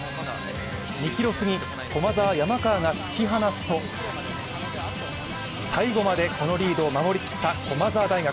２ｋｍすぎ、駒澤・山川が突き放すと最後までこのリードを守りきった駒澤大学。